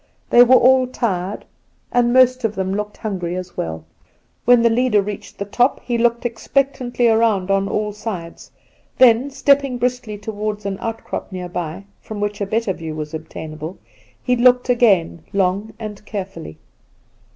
They were all tired, and most of them looked hungry as well. 8o Induna Nairn When the leader reached the top, he looked ex pexjtantly around on all sides, then, stepping briskly towards an outcrop near by, from which a better view was obtainable, he looked again long and carefully.